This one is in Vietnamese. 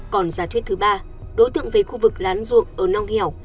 còn giả thuyết thứ ba đối tượng về khu vực lán ruộng ở nong hẻo